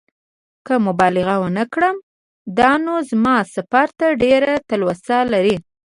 که مبالغه ونه کړم دا نو زما سفر ته ډېره تلوسه لري.